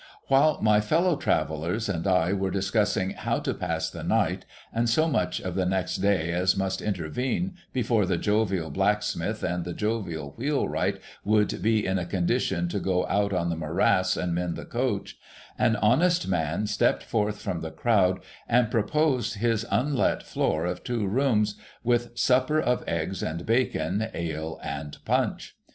While my fellow travellers and I were discussing how to pass the night and so much of the next day as must intervene before the jovial blacksmith and the jovial wheel wright would be in a condition to go out on the morass and mend the coach, an honest man stepped forth from the crowd and proposed his unlet floor of two rooms, with supper of eggs and bacon, ale and punch.